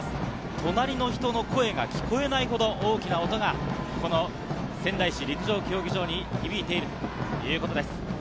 隣の人の声が聞こえないほど大きな音が仙台市陸上競技場に響いているということです。